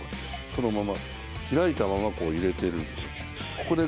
そのまま開いたまま入れているので。